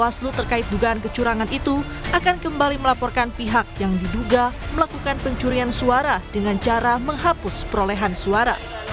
bawaslu terkait dugaan kecurangan itu akan kembali melaporkan pihak yang diduga melakukan pencurian suara dengan cara menghapus perolehan suara